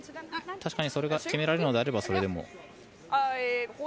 確かにそれが決められるのであればそれでも。